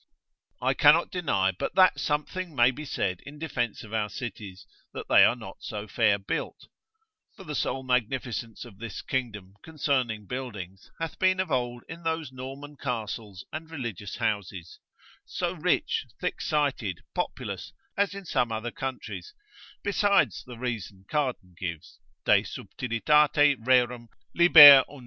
I cannot deny but that something may be said in defence of our cities, that they are not so fair built, (for the sole magnificence of this kingdom (concerning buildings) hath been of old in those Norman castles and religious houses,) so rich, thick sited, populous, as in some other countries; besides the reasons Cardan gives, Subtil. Lib. 11.